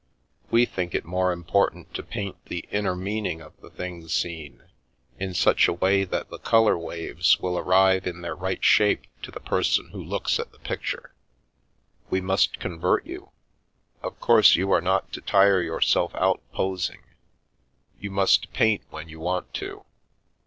We think it more important to paint the inner meaning of the thing seen, in such a way that the colour waves will arrive in their right shape to the person who looks at the picture. We must convert you. Of course, you are not to tire yourself out posing ; you must paint when you want to."